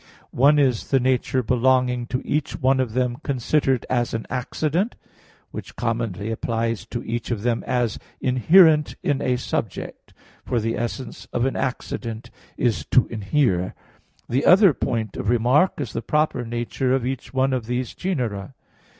One is the nature belonging to each one of them considered as an accident; which commonly applies to each of them as inherent in a subject, for the essence of an accident is to inhere. The other point of remark is the proper nature of each one of these genera.